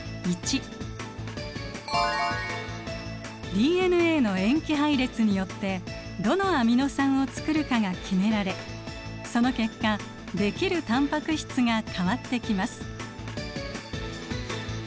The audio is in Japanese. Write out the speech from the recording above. ＤＮＡの塩基配列によってどのアミノ酸をつくるかが決められその結果できるタンパク質が変わってきます。